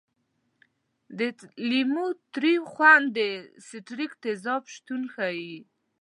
د لیمو تریو خوند د ستریک تیزاب شتون ښيي.